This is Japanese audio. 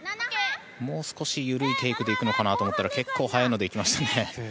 もう少し緩いテイクで行くのかなと思ったら結構速いので行きましたね。